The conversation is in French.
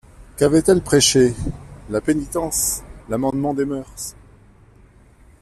Qu'avait-elle prêché ? la pénitence, l'amendement des moeurs.